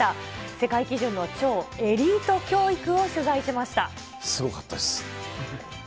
世界基準の超エリート教育を取材すごかったです。